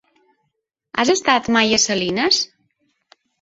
Has estat mai a Salines?